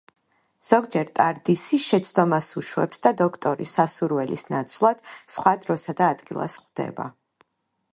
ზოგჯერ ტარდისი შეცდომას უშვებს და დოქტორი სასურველის ნაცვლად სხვა დროსა და ადგილას ხვდება.